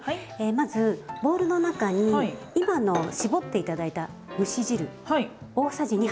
まずボウルの中に今の絞って頂いた蒸し汁大さじ２杯。